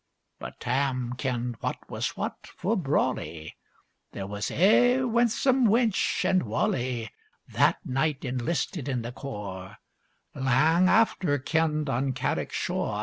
But Tam kenned what was what fu' brawlie: "There was ae winsome wench and walie," That night inlisted in the core (Lang after kenned on Carrick shore!